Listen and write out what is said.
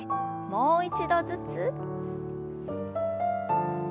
もう一度ずつ。